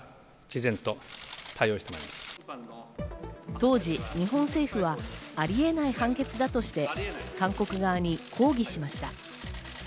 当時、日本政府はありえない判決だとして韓国側に抗議しました。